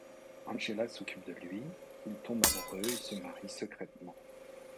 Angela s'occupe de lui, ils tombent amoureux et se marient secrètement.